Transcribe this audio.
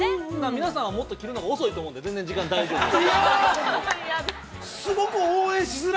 ◆皆さんはもっと切るのが遅いと思うので、全然時間大丈夫です。